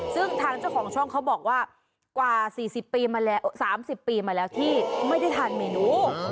ซึ่งทางเจ้าของช่องเขาบอกว่ากว่า๔๐ปีมาแล้ว๓๐ปีมาแล้วที่ไม่ได้ทานเมนู